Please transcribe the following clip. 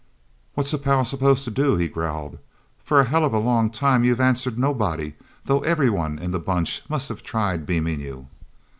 "What's a pal supposed to do?" he growled. "For a helluva long time you've answered nobody though everyone in the Bunch must have tried beaming you."